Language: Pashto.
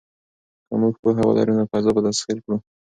که موږ پوهه ولرو نو فضا به تسخیر کړو.